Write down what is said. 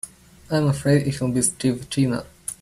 I'm afraid it'll be Steve Tina.